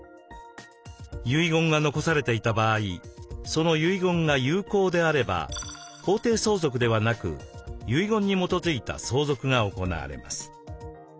遺言が残されていた場合その遺言が有効であれば法定相続ではなく遺言に基づいた相続が行われます。